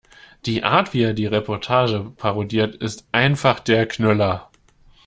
Die Art, wie er die Reportage parodiert, ist einfach der Knüller!